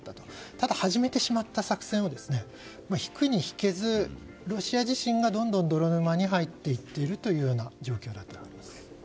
ただ始めてしまった作戦を引くに引けず、ロシア自身がどんどん泥沼に入っていってるという状況になっています。